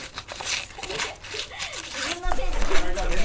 「最悪自分のせいで傷つけ」